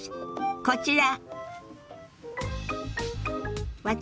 こちら。